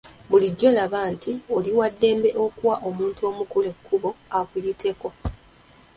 Bulijjo laba nti oli wa ddembe okuwa omuntu omukulu ekkubo akuyiteko.